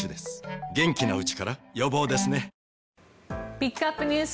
ピックアップＮＥＷＳ